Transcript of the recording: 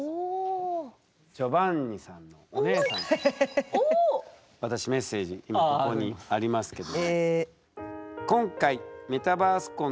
ジョバンニさんのお姉さんから私メッセージここにありますけど。